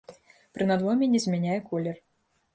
Пры надломе не змяняе колер.